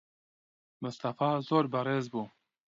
موستەفا زۆر بەڕێز بوو.